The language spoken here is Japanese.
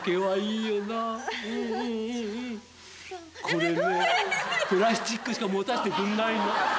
これねプラスチックしか持たしてくんないの。